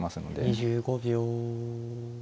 ２５秒。